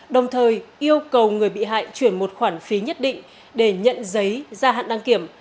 đồng thời yêu cầu người bị hại chuyển một khoản phí nhất định để nhận giấy ra hạn đăng kiểm